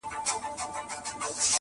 ولي ګناکاري زما د ښار سپيني کفتري دي,